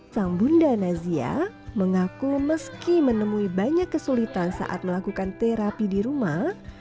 sang bunda nazia mengaku meski menemui banyak kesulitan saat melakukan terapi di rumah